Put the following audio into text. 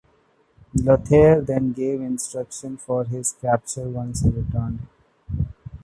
Lothair then gave instructions for his capture once he returned.